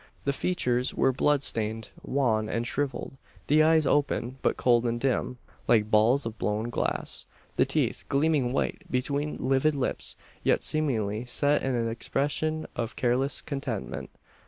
The features were bloodstained, wan, and shrivelled; the eyes open, but cold and dim, like balls of blown glass; the teeth gleaming white between livid lips, yet seemingly set in an expression of careless contentment.